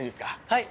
はい！